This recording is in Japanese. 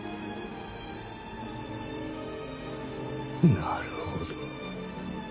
なるほど。